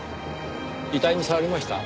遺体に触りました？